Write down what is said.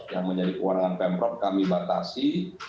yang menjadi kewarangan pembrok kami batasi